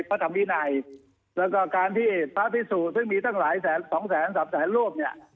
พระธรรมวินัยแล้วก็การที่พระพิสุซึ่งมีตั้งหลายแสนสองแสนสามแสนรูปเนี่ย